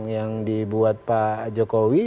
yang dibuat pak jokowi